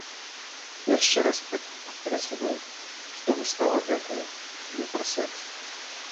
Яшчэ раз падкрэсліваю, што выстава гэтая не пра сэкс!